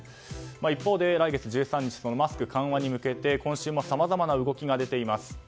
一方で、来月１３日マスク緩和に向けて今週もさまざまな動きが出ています。